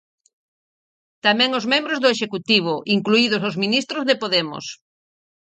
Tamén os membros do executivo, incluídos os ministros de Podemos.